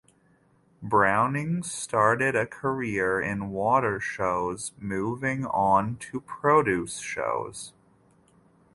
Browning started a career in water shows, moving on to produce shows.